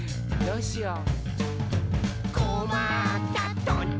「どうしよう？」